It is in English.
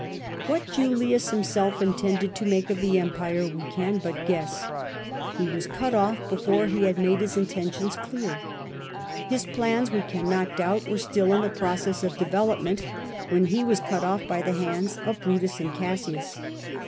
What Julius himself intended to make of the empire we can but guess. He was cut off before he had made his intentions clear. His plans, we cannot doubt, were still in the pz'ocess of development when he was cut off by the hands of Brutus and Cassius.